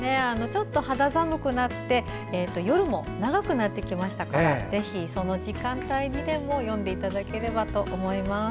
ちょっと肌寒くなって長くなってきましたからぜひ、その時間帯にでも読んでいただければと思います。